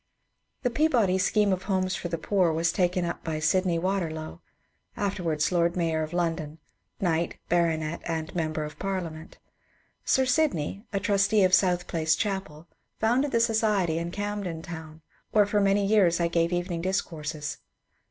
The Peabody scheme of homes for the poor was taken up by Sydney Waterlow, — afterwards Lord Mayor of London, knight, baronet, and member of Parliament. Sir Sydney, a trustee of South Place chapel, founded the society in Camden Town, where for many years I gave evening discourses.